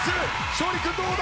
勝利君どうだ？